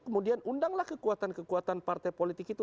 kemudian undanglah kekuatan kekuatan partai politik itu